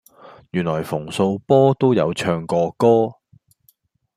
原來馮素波都有唱過歌